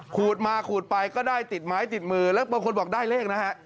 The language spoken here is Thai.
ขูดมาขูดไปก็ได้ติดไม้ติดมือแล้วบางคนบอกได้เลขนะฮะ